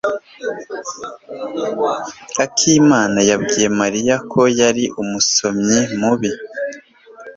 Akimana yabwiye Mariya ko yari umusomyi mubi.